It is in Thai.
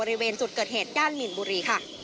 อี้ที่